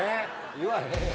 言わへんよ。